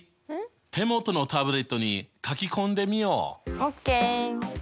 手元のタブレットに書き込んでみよう！ＯＫ！